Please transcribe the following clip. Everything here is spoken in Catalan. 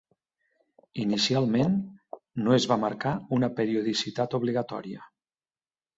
Inicialment, no es va marcar una periodicitat obligatòria.